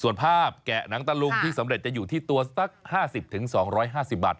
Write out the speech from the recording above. ส่วนภาพแกะหนังตะลุงที่สำเร็จจะอยู่ที่ตัวสัก๕๐๒๕๐บาท